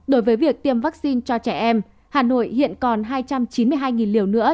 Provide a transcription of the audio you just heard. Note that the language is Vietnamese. đối với việc tiêm vaccine cho trẻ em hà nội hiện còn hai trăm chín mươi hai liều nữa